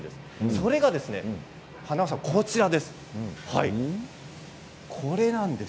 それが、こちらです。